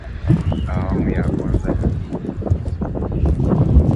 awamu ya kwanza ya ligi kuu ya soka tanzania bara